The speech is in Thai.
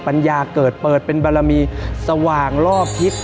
เปิดเป็นบารมีสว่างล่อพิษ